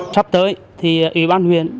sắp tới thì ủy ban huyện